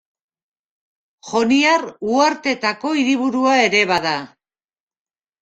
Joniar uharteetako hiriburua ere bada.